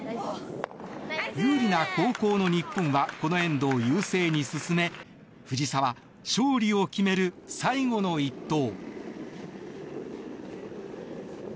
有利な後攻の日本はこのエンドを優勢に進め藤澤、勝利を決める最後の一投。